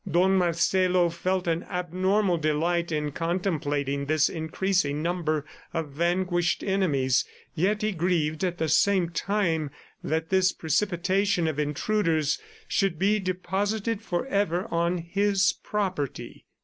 Don Marcelo felt an abnormal delight in contemplating this increasing number of vanquished enemies, yet he grieved at the same time that this precipitation of intruders should be deposited forever on his property.